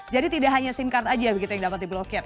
jadi tidak hanya sim card saja begitu yang dapat diblokir